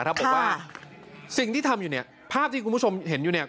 บอกว่าสิ่งที่ทำอยู่เนี่ยภาพที่คุณผู้ชมเห็นอยู่เนี่ย